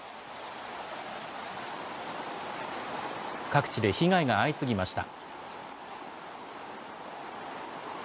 各地で被害が相次ぎました。